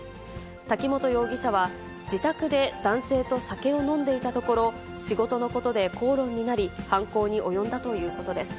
滝本容疑者は自宅で男性と酒を飲んでいたところ、仕事のことで口論になり、犯行に及んだということです。